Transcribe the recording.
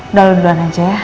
udah lalu duluan aja ya